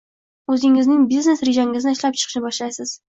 oʻzingizning biznes rejangizni ishlab chiqishni boshlaysiz.